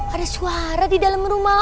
ada suara di dalam rumah